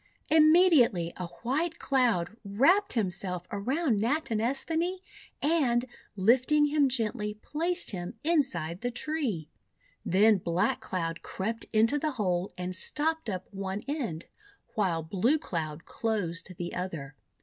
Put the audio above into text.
Immediately a White Cloud wrapped him self around Natinesthani, and, lifting him gently, placed him inside the tree. Then Black Cloud crept into the hole and stopped up one end, THE TURKEY GIVEN CORN 363 while Blue Cloud closed the other.